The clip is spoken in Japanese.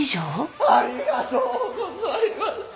ありがとうございます